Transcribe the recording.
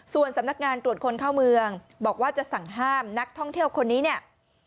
ส่วนสำนักงานตรวจคนเข้าเมืองบอกว่าจะสั่งห้ามนักท่องเที่ยวคนนี้เนี่ย